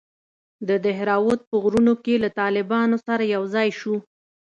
د دهراوت په غرونوکښې له طالبانو سره يوځاى سو.